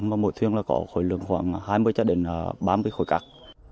và mỗi thuyền có khối lượng khoảng hai mươi ba mươi khối cát